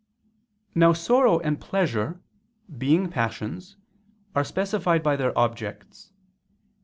Now sorrow and pleasure, being passions, are specified by their objects.